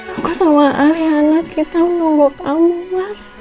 aku sama alianat kita menunggu kamu mas